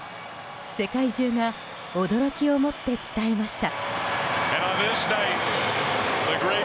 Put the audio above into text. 世界中が驚きをもって伝えました。